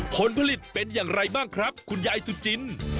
ผลผลิตเป็นอย่างไรบ้างครับคุณยายสุจิน